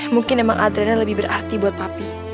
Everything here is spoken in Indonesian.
mungkin emang adrena lebih berarti buat papi